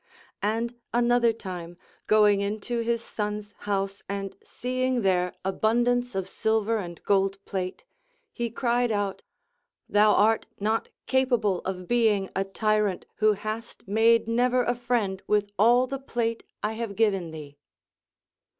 And another time, going into his son's house and seeing there abundance of silver and gold plate, he cried out: Thou art not capa ble of being a tyrant, who hast made never a friend \vith all the plate I have given thee.